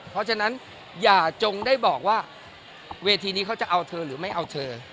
เพราะฉะนั้นอย่าจงได้บอกว่าเวทีนี้เขาจะเอาเธอหรือไม่เอาเธอ